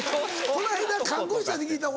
この間看護師さんに聞いたん